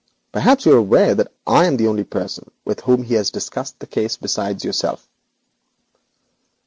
Perhaps you are aware that I am the only person with whom he has discussed the case beside yourself.'